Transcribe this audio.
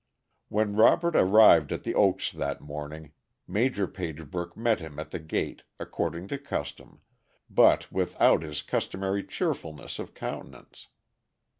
When Robert arrived at The Oaks that morning Major Pagebrook met him at the gate, according to custom, but without his customary cheerfulness of countenance.